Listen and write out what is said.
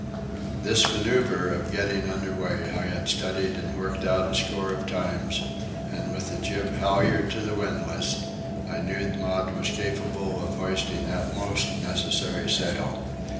This manœuvre of getting under way I had studied and worked out a score of times; and, with the jib halyard to the windlass, I knew Maud was capable of hoisting that most necessary sail.